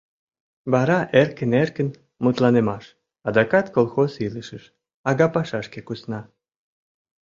Вара эркын-эркын мутланымаш адакат колхоз илышыш, ага пашашке кусна.